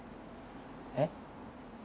えっ？